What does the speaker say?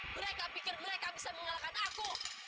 mereka pikir mereka bisa mengalahkan aku